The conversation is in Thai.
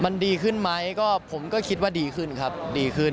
มันดีขึ้นไหมก็ผมก็คิดว่าดีขึ้นครับดีขึ้น